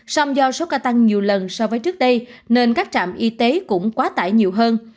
song do số ca tăng nhiều lần so với trước đây nên các trạm y tế cũng quá tải nhiều hơn